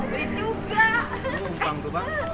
udah uang tuh mbak